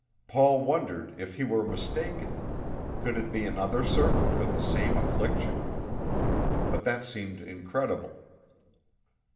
Paul wondered if he were mistaken; could it be another servant with the same affliction? But that seemed incredible.